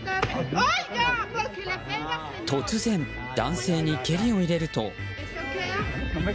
突然、男性に蹴りを入れると。